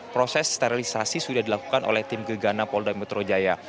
proses sterilisasi sudah dilakukan oleh tim gegana polimitro jaya